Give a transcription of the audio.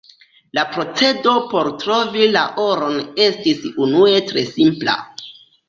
La procedo por trovi la oron estis unue tre simpla.